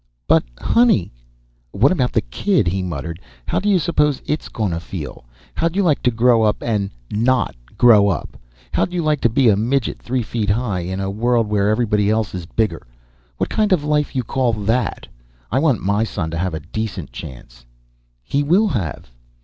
"But honey " "What about the kid?" he muttered. "How you suppose it's gonna feel? How'd you like to grow up and not grow up? How'd you like to be a midget three feet high in a world where everybody else is bigger? What kind of a life you call that? I want my son to have a decent chance." "He will have."